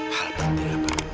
hal penting apa